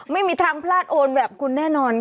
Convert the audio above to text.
ไม่มีทางพลาดโอนแบบคุณแน่นอนค่ะ